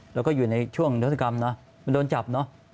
เราก็อยู่ในช่วงธรรมน์นะมันโดนจับเนอะ